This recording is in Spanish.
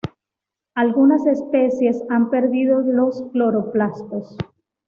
Algunas especies han perdido los cloroplastos.